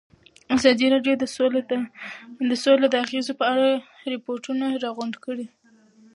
ازادي راډیو د سوله د اغېزو په اړه ریپوټونه راغونډ کړي.